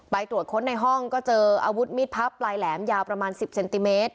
ตรวจค้นในห้องก็เจออาวุธมีดพับปลายแหลมยาวประมาณ๑๐เซนติเมตร